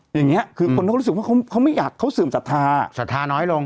อย่างนี้คือคนเขาก็รู้สึกว่าเขาไม่อยากเขาเสื่อมศรัทธาศรัทธาน้อยลง